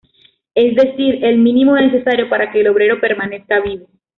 Es decir, el mínimo necesario para que el obrero permanezca vivo.